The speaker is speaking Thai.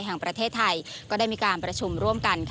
แห่งประเทศไทยก็ได้มีการประชุมร่วมกัน